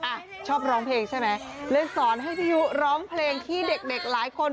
อ่ะชอบร้องเพลงใช่ไหมเลยสอนให้พี่ยุร้องเพลงที่เด็กเด็กหลายคน